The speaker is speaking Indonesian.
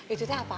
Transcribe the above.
itu deh apa